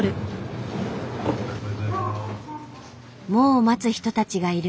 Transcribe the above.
もう待つ人たちがいる。